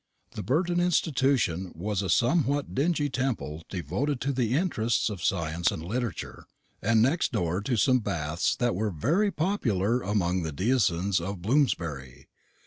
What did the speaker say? The Burton Institution was a somewhat dingy temple devoted to the interests of science and literature, and next door to some baths that were very popular among the denizens of Bloomsbury.